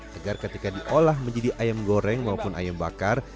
segar ketika diolah menjadi ayam goreng maupun ayam bakar